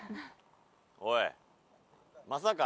おいまさか？